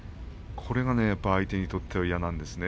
これがやっぱり相手にとっては嫌なんですね。